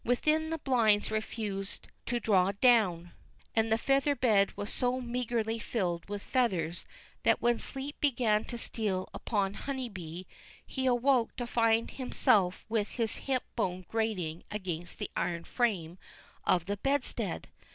Within the blinds refused to draw down, and the feather bed was so meagrely filled with feathers that when sleep began to steal upon Honeybee, he awoke to find himself with his hip bone grating against the iron frame of the bedstead.